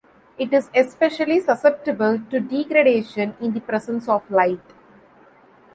It is especially susceptible to degradation in the presence of light.